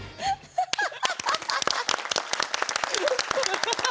ハハハハ！